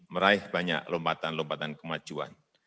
meraih banyak lompatan lompatan kemajuan